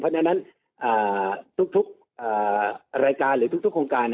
เพราะฉะนั้นทุกรายการหรือทุกโครงการ